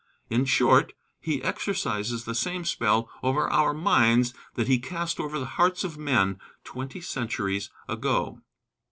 In short, he exercises the same spell over our minds that he cast over the hearts of men twenty centuries ago.